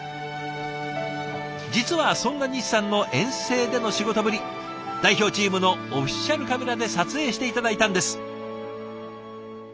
実はそんな西さんの遠征での仕事ぶり代表チームのオフィシャルカメラで撮影して頂いたんです。